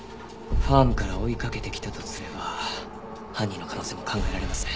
ファームから追いかけてきたとすれば犯人の可能性も考えられますね。